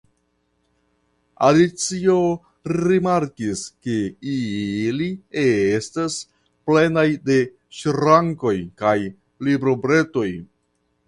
Alicio rimarkis ke ili estas plenaj de ŝrankoj kaj librobretoj.